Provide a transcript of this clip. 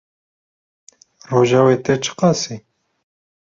Roja wê tê çi qasî?